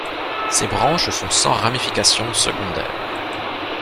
Ces branches sont sans ramification secondaire.